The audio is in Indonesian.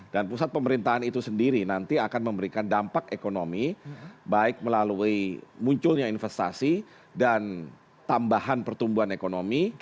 dan pusat pemerintahan itu sendiri nanti akan memberikan dampak ekonomi baik melalui munculnya investasi dan tambahan pertumbuhan ekonomi